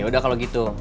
yaudah kalo gitu